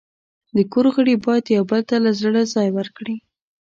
د کور غړي باید یو بل ته له زړه ځای ورکړي.